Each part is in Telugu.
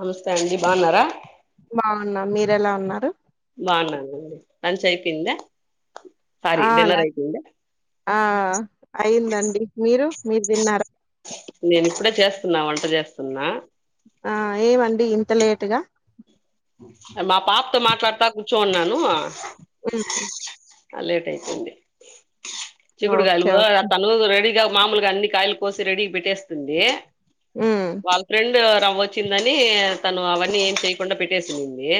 నమస్తే అండి బాగునర బాగున్నా మీర ఎలా ఉన్నారు బాగున్నానండి లంచ్ అయిపోందా ఆ ఆ అయిందండి మీరు మీరు తిన్నారా అప్పుడే చేస్తున్నా వంట చేస్తున్నా ఆ ఏవండి ఇంత లేటుగా మా పాపతో మాట్లాడతా కూర్చు చూన్నాను ఉ లేట్ అయితుంది చికుడు కాయలు ఓకే ఓకే తను రెడీగా మామూలుగా అన్ని కాయలు కోసి రెడీ పెట్టేస్తుంది హ్మ్. వాళ్ళ ఫ్రెండ్ వచ్చిందని తను అవన్నీ ఏం చే కుం పెట్టేసి నింది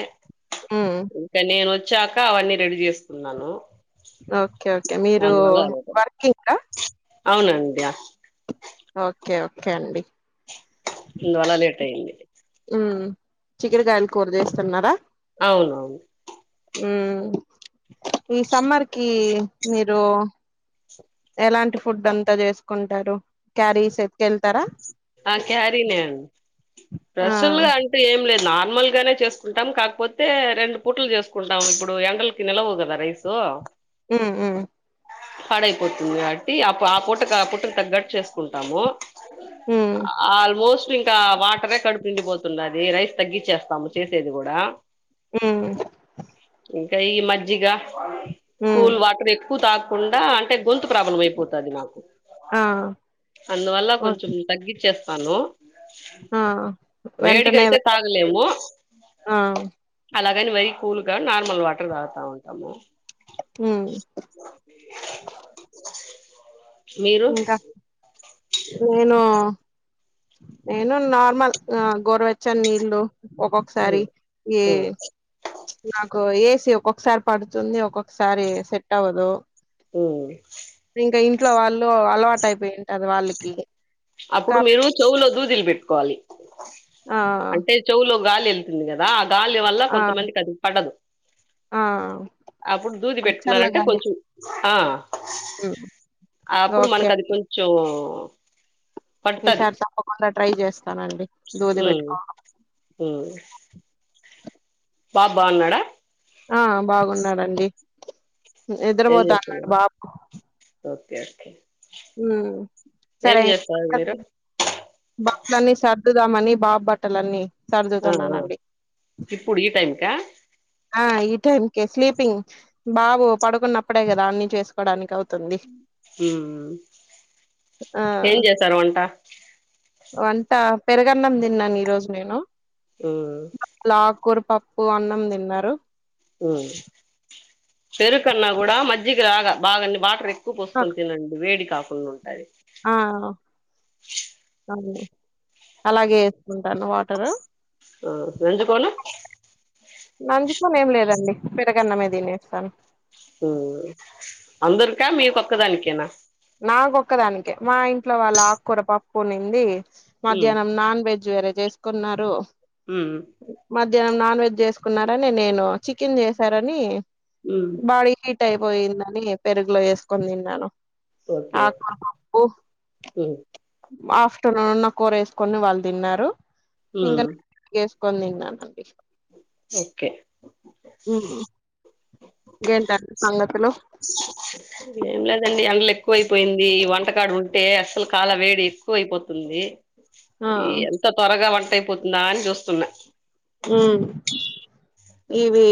హ్మ్. ఇంకా నేను వచి వచ్చాక అవన్నీ రెడీ చేసుకున్నాను ఓకే ఓకే మీరు దానివల్ల లేట్ అయింది. వర్కింగ్ అవునండి ఓకే ఓకే అండి అందు వల్ల లేట్ అయింది చికుడుకాయలు కూర చేేస్తున్నారా అవునవును ఉ ఈ సమ్మర్ కి మీరు ఎలాంటి ఫుడ్ అంతా చేసుకుంటారు క్యారీస్ ఎతికి వెళ్తారా ఆ క్యారీ నే ఆ స్పెషల్ గా అంటూ ఏం లేదు నా నార్మల్ గానే చేసుకుంటాం కాకపోతే రెండు పూట్లు చేసుకుంటాం ఇప్పుడు ఎండలకు నిలవు కదా రైస్ ఆ ఆ పడైపోతుంది కబట్టి ఆ ఆ పూటకు ఆ పుట్టుకు తగ్గట్టు చేసుకుంటాము హ్మ్. ఆల్మోస్ట్ ఇంకా వాటరే కడుపుపిండి పోతుంది అది రైస్ తగ్గించేస్తాము చేసేది కూడా హ కై మజ్జిగా కూల్ వాటర్ ఎ క్కు తాకుండా అంటే గొంతు ప్రాబ్లం అయిపోతుంది నాకు ఆ అందువల్ల ఓకే కొంచెం తగ్గి చేస్తాను. ఆ వెంటనే వేడికైతే వెకప్ తాగలేము. ఆ అలా కాని మరీ కూల్ కా నార్మల్ వాటర్ తాగుతా ఉంటాము మ్ అ మీరు నేను నేను నార్మల్ గోరు వెచ్చని నీళ్లు ఒక్కొక్కసారి ఉమ్ ఏ నాక్ ఏసీ ఒక్కొక్కసారి పడుతుంది ఒక్కొక్కసారి సెట్ అవ్వదు. మ్ ఇంట్లోవాల్ అలవాట్ అయిపోయింటది వాళ్ళకి అప్పుడు కాబట్టి మీరు చెవులో దూదిల్ పెట్టుకోవాలి. ఆ అంటే చెవు లో గాలి ఎళ్తుంది కదా గాలి వల్ల ఆ కొంతమందికి అది పడదు. ఆ అప్పుడు దూది పెట్టుకున్నారంటే చల్లగాలి కొంచెం ఆ అప్పుడు ఓకే మనకు అది అండి కొంచం ఈసారి తప్పకుండా ట్రై చేస్ స్తానండి దూది ఉమ్ పెట్టుకోవడం ఉమ్ బాబు బాగున్నాడా ఆ బాగున్నాడండి. ఏం నిద్దరపోతాన్నడు చేస్తున్నాడు బాబు [inaudible] మ్ ఏం సరే చేస్తారు మీరు బట్లని సర్ దుదామని బాబ్ బట్టలన్నీ ఆ సర్దుతున్నానండి ఇప్పుడు ఈ టైమ్కా ఆ ఈ టైం కే స్లీపింగ్ బాబు పడుకున్నప్పుడే కదా అన్ని చేసుకోవడానికి అవు హ్మ్ ఆ ఏం చేశారు వంట వంట పెరుగన్నం తిన్నాను ఈరోజు నేను ఆకుకూర హ్మ్ పప్పు అన్నం తిన్నా రు పెరుకన్నా కూడా మజ్జి రాగా బాగా వాటర్ ఎ ఆ పోసుకొ తినండి వేడి కా ఉంటాయి అ అలాగే వేసుకుంటాను వాటర్ ఆ వెంజుకోను నంచుకోని ఏం లేదండి పెరగన్నమే తినేస్తాను అందరికా మీక ఒక్కదానికేనా నాకొక్కదానికె మా ఇంట్లో వాళ్ళ ఆకూర పప్పునింది ఉమ్ మధ్యాహ్నం నాన్ వెజ్ వేర్ చేసుకున్నారు ఉమ్ మధ్యాహ్నం నాలుగు వెజ్ చేసుకున్నారా నేను చికెన్ చేశారని ఉమ్ బాడీ హీట్ అయిపోయిందని పెరుగులో వేసుకొని తిన్నాను ఓకే ఆకుకూర పప్పు హ్మ్ ఆఫ్టర్నూన్ నా కూర వేసుకొని వాళ్ళు తిన్నారు హ్మ్ కొంతినండి ఓకే ఇంకేంటండి సంగతులు ఏం లేదండి అందుల ఎక్కువైపోయింది ఈ వంటకాడు ఉంటే అసలు కాల వేడి ఎక్కువ అయిపోతుంది ఆ ఎంత త్వరగా వం తయిపోతుందా అని చూస్తున్నా హ్మ్ ఇవి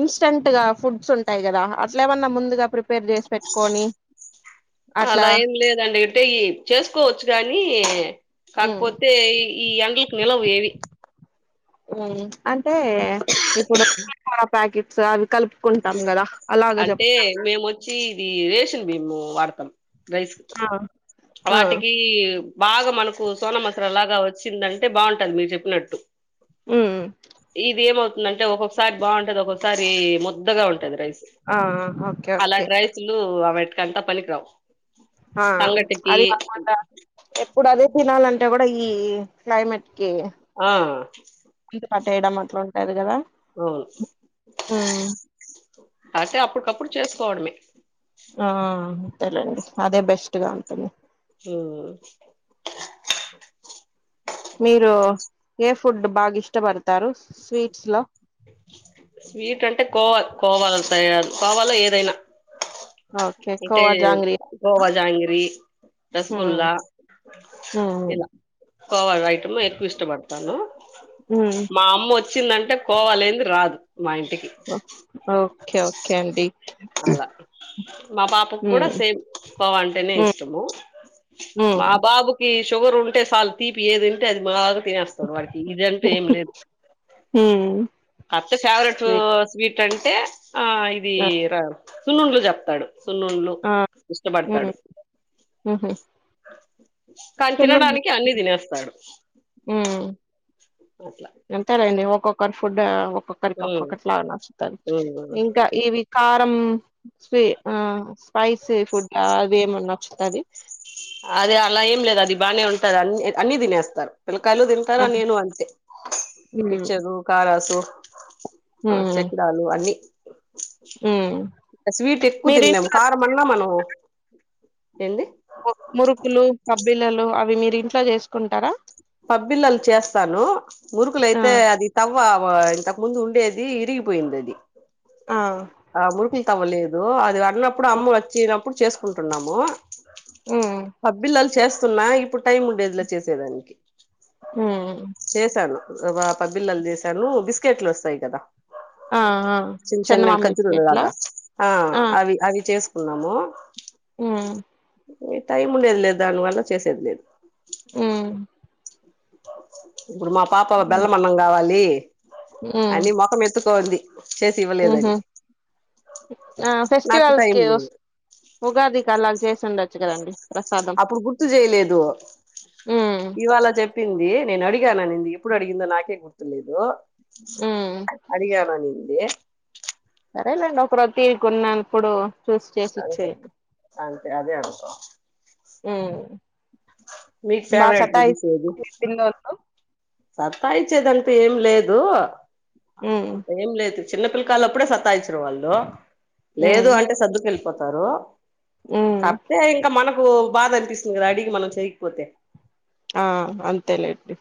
ఇన్స్టంట్ గా ఫుడ్స్ ఉంటాయి కదా అట్లా ఏమన్నా ముందుగా ప్రి పేర్ చేసి పెట్టుకొని అట్లా అలా ఏం లేదండి అంటే ఈ చేసుకోవచ్చు గానీ ఉమ్ కాకపోతే ఈ ఈ ఎండలకు నిలవు ఏవి హ్మ్ అం అంటే ఇప్పుడు [unintelligible] ప్యాకెట్స్ అవి కలుపుకుంటాం కదా అలాగ అంటే చెప్తాను మేముొచ్చి ఈ రేషన్ భీము వార్తం రైస్ ఆ ఆ వాటికి బాగా మనకు సోన మసర లాగా వచ్చిందంటే అయితే బాగుంటది మీరు చెప్పినట్టు ఉ ందంటే ఒక్కొక్కసారి బాగుంటుది ఒొక్కసారి ముద్దగా ఉంటుది రైస్ ఆ ఆ ఓకే అలా ఓకే ట రైసులు అవి కంటా పనికు రాం ఆ అది కాపోతే ఎప్పుడు అదే తినాలండి ంట కూడా ఈ క్లైమేట్ ఆ అందుబటు వేయడం అట్లా ఉంటది కదా అవును చేసుకోవడ ఆ తెలేడి అదే బెస్ట్ గా ఉంటుంది హ మీరు ఏ ఫుడ్ బాగా ఇష్టపడతారు స్వీట్స్ లో స్వీట్ అంటే కోవాలి కోవాలదు కోవాలో ఏదైనా ఓకే మే కోవా జాంగ్రీ అంటారా? గోవాజాంగరి హ్మ్ రసగుొల్లా హ్మ్ ఇలా కావాల ఐటమ్ ఎక్కువ ఇష్టపడతాను హ్మ్ మా అమ్మ వచ్చిందంటే కోవాలింది రాదు మా ఇంటికి ఓకే ఓకే అడి అలా మా బాబుకు కూడా సేమ్ కోవ అంటేనే ఇష్టము మా హ్మ్ బాబు షుగర్ ఉంటే సార్లు తీపి ఏది ఉంటే అది మా తినేస్తాడు వాడికి ఇదంటూ ఏం లేదు హ్మ్ అతే ఫేవరెట్ స్వీట్ స్వీట్ అంటే ఆ ఇది ఆ రా సు నుండ్లు చెప్తాడు సున్నూండులు ఆ ఇష్టపడతాడు హ్మ్ హు కానీ సున్నుండలు తినడానికి అన్ని తినేస్తాడు అట్లా ఎంత రండి ఒక్కక్క కర్ఫ్యూ ఇప్పుడు ఒక ఒక్కొక్కరికి ఉమ్ ఒక్కొక్కటిలా నచ్చుతారు ఉమ్ ఇంకా ఈక్ తారం స్వే ఆ స్పైస్ ఫుడ్ అదేమన్నా తది అదే అలా ఏం లేదు అది బానే ఉంటది అన్ని అన్ని తినేస్తారు పిల్ కయలు ఆ తింటారు నేను అంతే హ్మ్ మీక్చర్ కఖారాసు [unintelligible] ఆ హ్మ్ చెక్రాలు అన్ని హ్మ్ ఇ స్వీట్ ఎక్కువ మీరు తినలేము ఇంట్లో కారం అన్నా మనము ఎంది మురుకులు పప్ పిల్లలు అవి మీరు ఇంట్లో చేసుకుంటారా పబ్బిల్లలు చేస్తాను ఆ మురుకులుయితే అది తవ్వవా ఇంత ముందు ఉండేది ఇరుగిపోయింది అది ఆ ఆ మురుకులు తవ్వలేదు అది అడినప్పుడు అమ్మ వచ్చినప్పుడు చేసుకుంటున్నాము హ్మ్ పబ్బిల్లాల్ చేస్ వస్తున్నా ఇప్పుడు టైం ఉండేదిలా చేసేదానికి హ్మ్ చేసాను పబ్ బిల్లలు చేశాను బిస్కెట్లు వస్తాయి కదా ఆ ఆ చంద మామిలు లాగ ఆ అవి అ చేసుకున్నాము హ్మ్ టైం ఉండేది లేదు దాని వల్ల చేసేది లేదు ఆ [unintelligible] ఇప్పుడు మా పాప బెల్లం మన్నం కావాలి అని ముఖం ఎత్తుకోంది చేసి హ ఇవ్వలేదని ఆ నాకు ఫెస్టివల్స్ టైం కి లేదు వస్తే ఉగాదికి అలా చేస్తే స్తుందండచ్చుగదండి అప్పుడు గుర్తు చేయలేదు హ్మ్ ఇవాళ చెప్ప చెప్పింది నేను అడిగాను ఇది ఎప్పుడు అడిగిందో నాకే గుర్తులేదు హ్మ్ అడిగాాల నీను అ్యే సరేలేండి ఒక రతిీ కొన్నాను ఇప్పుడు చస్ చే శ ఇచ్చ అంతే అడి అంతే అదే అనుప్ప మీకు బా ఫేవరెట్ సతాయిందు సత్తా ఇచ్చేదంంట ఏం లేదు ఉమ్ అంత ఏం లేదు చిన్నపిల్లల్లో అప్పుడే సత్తాయిచ్చారు వాళ్ళు లేదు ఉమ్ అంటే సద్దుకుెళ్ కొతారు ఉమ్ కతే ఇంకా మన నాకు బాధ అనిపిస్తుంది కదా అడిగి మనం చెరిగిపోతే ఆ అంతేలేండి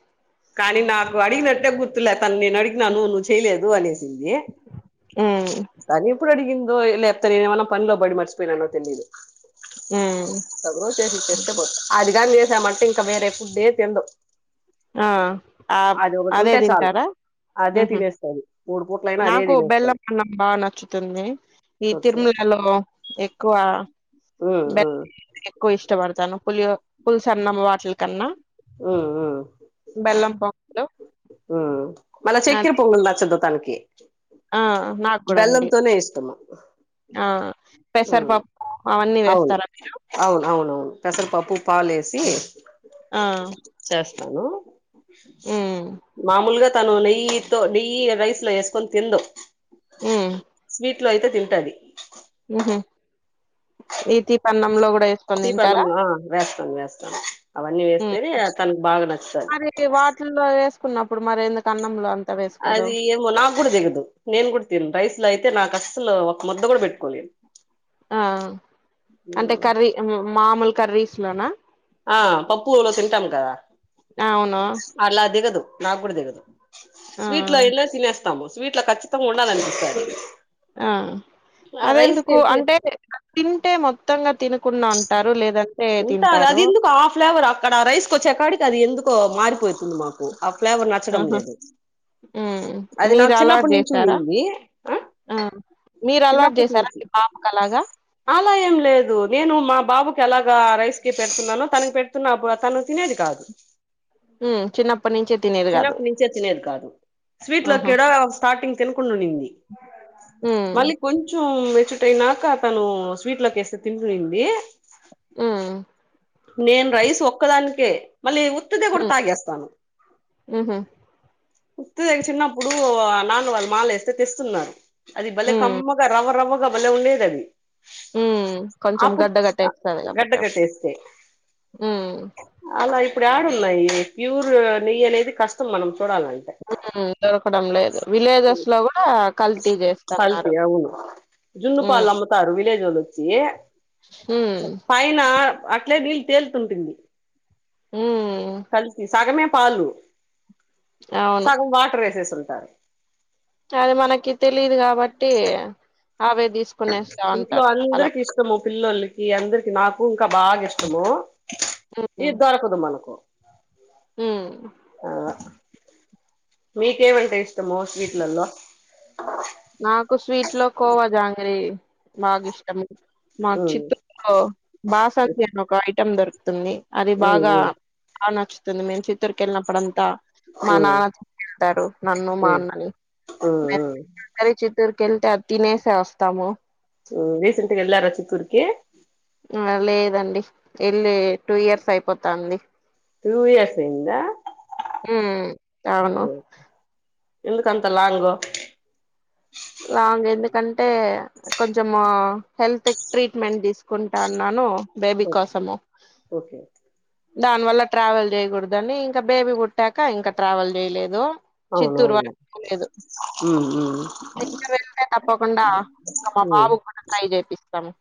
కానీ నాకు అడిగినట్టే గుర్తులేదు తను నేను అడిగినను ను నువవు చేయలేదు అనే ంది ఉమ్ తనీ ఎప్పుడు అడి ఇ ఎప్తా న మన పనిలో బడి మర్చపోయిన అన్నో తెలియుదు ఉమ్ సగ రో చేసిస్తే పోతు ఆది కాం చేసామంటే ఇంకా వేరే ఫుడ్ే తిినవు ఆ ఆ అదే చాలు అదే తింటారాహ తినేస్తుంది మూడు పూట్లైనా అదే నాకు తినేస్తుంది బెల్లం అన్నం బాగా నచ్చుతుంది ఈ ఓకే తిరుమలలో ఎక్కువ ఉమ్, బెల్ ఉమ్, ఎక్కువ ఇష్టపడతాను పులి పులు స అన్నం వాటిల కన్నా ఉమ్, బల్లం బాలో ఆ మళ చెక్కిర పొంగలు నచ్చదుానికి ఆ నాకు కూడా అండి బెల్లంతోనే ఇష్టము ఆ పెసరపప్పు అవన్నీ అవును వేస్తారా అవును అవునవును పెసరిపప్పు పాలేసి ఆ తను ఉమ్ మామూలుగా తను నెయితో నెయ్యి రైస్ లో వేసుకొని తింద ఊ సీట్లు అయితే తింటాది హు ఈతి పన్నముంలో సీపలం వేస్తాను వేస్తాను అవన్నీ హ్మ్ వేస్తేనే తనకు బాగా నచ్చుతది కున్నప్పుడు మరి ఎందుకు అన్నంలో అ అది ఏమో నాకు కూడా తెలియదు నేను కూడా తిను రైస్ లో అయితే నాకు అసలు ఒక మద్ద గుడా పెట్టుకోలేను ఆ అంటే కర్రీ మామూలు కర్రీస్ లన ఆ పప్పులో తింటాం కదా అవును అలా దిగదు నాకు కూడా దిగదు ఆ స్వీట్ లో ఇలా తినేస్తా సీట్ల కచ్చితంగా ఉండడాని అనిపిస్తా ఆ అద ఎందుకు అయితే అంటే తింటే మొత్తంగా తినకుండా ఉంటారు లేదంట ఉంటా అది ఎందుకో హా ఫ్లేవర్ అక్కడ రైస్కి వచ్చేక్కడికి అది ఎందుకుకో మారిపోంది చెప్పింది మాకు ఆ ఫ్లేవర్ నచ్చడం ఆహా! లేదు హ్మ్ అది నాకు మీరు అలవాటు చిన్నప్పటి నుంచి జేసారా? ఉండింది ఆ మీరు అలవాటు చిన్నప్పటి జేసారా నుంచి మీ పాపకు అలాగా? అలా ఏం లేదు నేను మా బాబు తెలా రైస్ కి పెడుతున్నాను తన పెడుతున్నాప్పుడు తను తినేది కాదు హ్మ్ చిన్నప్పటి నుంచే తినేది గాదు. చిన్నప్ప నుంచే తినేది కాదు స్వీట్ లో ఆహా! ఏదో స్టార్టింగ్ తినకుండా ఉండింది హ్మ్ మళ్ళీ కొంచెం మెచ్చుట్ అయినాక తను స్వీట్ లోకి వేస్తే తింటున్నది హమ్ నేను రైస్ ఒక్కదానికే మళ్ళీ ఉత్తిదే కూడా హ్మ్ తాగేస్తాను హుహు. ఉత్తదే చిన్నప్పుడు నాన్న వాళ్ళు మాల వేస్తే తెస్తున్నారు అది భలె హ్మ్. కమ్మగా రవ్వ రవ్గగా భలే ఉండేది అది హ్మ్ కొంచెం అప్పుడు గడ్డ కట్టేస్తది గడ్డ కట్టేస్తే అలాయితే ఇప్పుడు ఏడ ఉన్నాయి ప్యూర్ నెయ్యి అనేది కష్టం మనం చూడాలంటే దొరకడం లేదు విలేజెస్ లో కూడా కల్తీ పల్పి చేస్తున్నారు అవును జున్న పాలు ఉమ్ అమ్ముతారు విలే తేజ్ వాళ్లొచ్చి ఉమ్ చె పైనా అట్లే నీళ్ళు తేలుతుంటుంది ఉమ్ కలిసి సగమే ఫలు అవును సగం వాటర్ వేసేస్ల్ సార్ త మన మకి తెలిదు కాబట్టి అవే తీసుకునేస్తా ఇంట్లో ఉంటారు అలా అందరికి ఇష్టము పిల్లలకి ఈ అందరికి నాకు ఇంకా బాగా ఇష్టము ఉమ్ ఇది దొరకదు మనకు ఉమ్ ఆ మీకేమంట ఇస్త ఇ మోస్ వీట్లలో ఓ నాకు స్వీట్ లో కోవా జాంగరి బగా ఇష్టం మాకు చిత్ర బాస అను ఒక చం దొరుకుతుంది అది బాగా బా నచ్చుంది ంది మేము చిత్తూరుకి వెళ్ళినప్పుడంతా మా నాన్న వెతారు నన్ను మా అన్నని చిత్తూరుకి వెళ్తే అ తినేసే వస్తాము రీసెంట్గా ఎల్ార చిత్తూర్కి ఆ లేదండి వెళ్ళి టూ ఇయర్స్ అయిపోతాంది టూ ఇయర్స్ ఇంద హ అవును ఎందుకంతలా అంగ్ంగ లాంగ్ ఎందుకంటే కొంచెం హెల్త్ ట్రీట్మెంట్ తీసుకుంటా అన్నాను బేబ కోసమో ఓకే దాని వల్ల ట్రావెల్ చేయకూడదు అని ఇంకా బేబీ బుడ్ అట్టాక ఇంకా ట్రావెల్ చేయలేదు చిత్తూరు అవునవును వాళలేదు ఉమ్ ఉమ్ ఇంకా వెళ్తే తప్పకుండా ఒకం మా ఉమ్ బాబు కూడా ట్రై చేపిస్తాము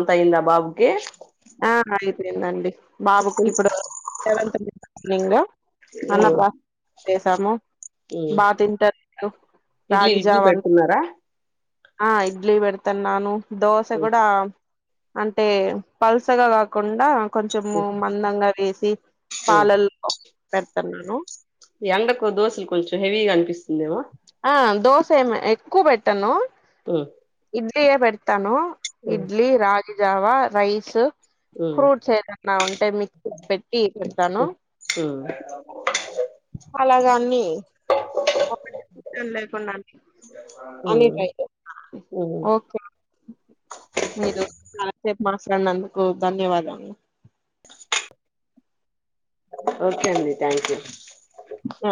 అంతాయింద బాబుకి అండి బాబుకి ఉమ్ ఇప్పుడుెవె మార్నింగ్ అన్న బా చేసాము ఉమ్ బాగా తింటారు ఇడ్లీ ఇడ్లీ రాగిజావ అంతా పెడుతున్నారా ఆ ఇడ్లీ పెడతన్ నను దోశ ఉమ్ కూడా అంటే పల్సగా కాకుండా కొంచం మందంగా వేసి స ఈ ఎండకు దోశలు కొంచెం హెవీగా అనిపిస్తుాంది ఆ దోస సేమ్ ఎక్కువ పెట్టను ఆ వీయ పెడతాను ఇడ్లీ రాజ పిజావా రైస్ ఉమ్ ఫ్రూట్స్ ఏదన్నా ఉంటే మిక్సీ పెట్టి పెతాను ఉమ్ అలాగ అన్నిీ లేకుండా అ అ ఉమ్ బ ఉమ్ ఓకే మీరు చాలా మాట్లాడిందుకు ధన్యవాదాలు ఓకే అండి థ్యాంక్ యూ ఆ